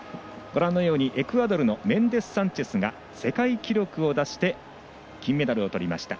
エクアドルのメンデスサンチェスが世界記録を出して金メダルをとりました。